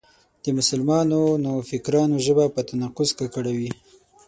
د مسلمانو نوفکرانو ژبه په تناقض ککړه وي.